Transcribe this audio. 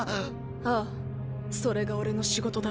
ああそれが俺の仕事だ。